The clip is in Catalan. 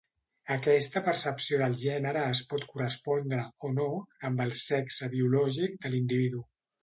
Aquesta percepció del gènere es pot correspondre, o no, amb el sexe biològic de l'individu.